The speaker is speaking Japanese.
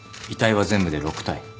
遺体は全部で６体。